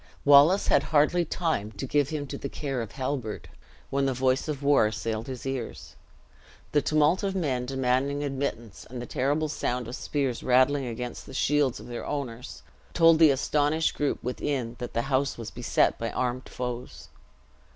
Wallace had hardly time to give him to the care of Halbert, when the voice of war assailed his ears. The tumult of men demanding admittance and the terrible sound of spears rattling against the shields of their owners, told the astonished group within that the house was beset by armed foes.